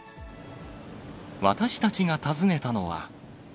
私たちが訪ねたのは。